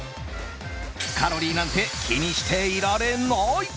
カロリーなんて気にしていられない！